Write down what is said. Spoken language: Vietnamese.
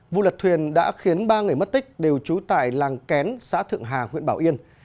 vụ lật thuyền đã khiến ba người mất tích đều trú tại làng kén xã thượng hà huyện bảo yên